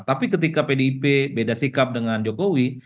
tapi ketika pdip beda sikap dengan jokowi